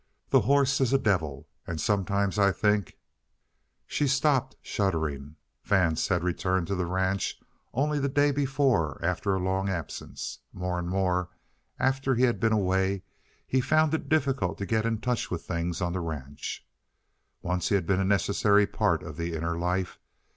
The horse is a devil! And sometimes I think " She stopped, shuddering. Vance had returned to the ranch only the day before after a long absence. More and more, after he had been away, he found it difficult to get in touch with things on the ranch. Once he had been a necessary part of the inner life.